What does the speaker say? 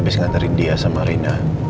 abis ngaterin dia sama rina